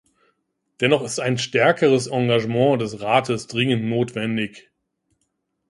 Dennoch ist ein stärkeres Engagement des Rates dringend notwendig.